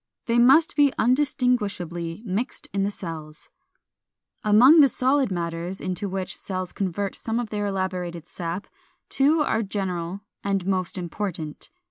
They must be undistinguishably mixed in the cells. 416. Among the solid matters into which cells convert some of their elaborated sap two are general and most important.